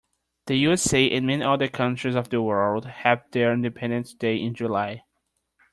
The USA and many other countries of the world have their independence day in July.